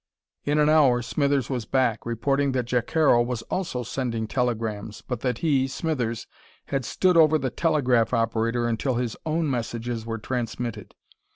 In an hour, Smithers was back, reporting that Jacaro was also sending telegrams but that he, Smithers, had stood over the telegraph operator until his own messages were transmitted.